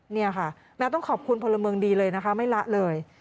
นี่ค่ะต้องขอบคุณพลเมืองดีเลยนะคะไม่ละเลย